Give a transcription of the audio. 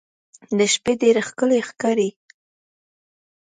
د شپې ډېر ښکلی ښکاري.